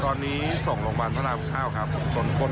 ตอนนี้ส่งโรงพยาบาลพระราม๙ครับ